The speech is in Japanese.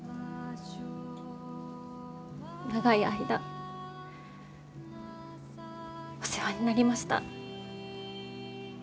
長い間お世話になりました。